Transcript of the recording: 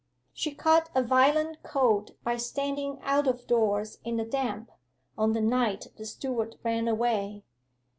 'She caught a violent cold by standing out of doors in the damp, on the night the steward ran away.